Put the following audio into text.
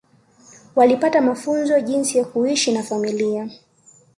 Walipata mafunzo jinsi ya kuishi na familia